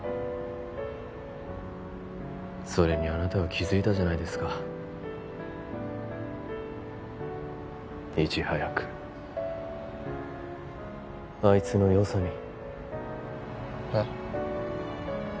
それにあなたは気付いたじゃないですかいち早くあいつの良さにえっ？